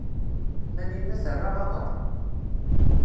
Taninna terra aḍar.